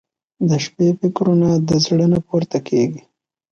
• د شپې فکرونه د زړه نه پورته کېږي.